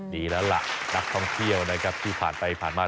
ดีแล้วล่ะนักท่องเที่ยวนะครับที่ผ่านไปผ่านมา